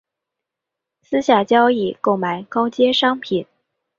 私下交易购买高阶商品